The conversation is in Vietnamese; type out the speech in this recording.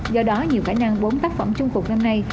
do đó nhiều khả năng bốn tác phẩm chung cuộc năm nay